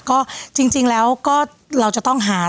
ก็จริงแล้วก็เราจะต้องหา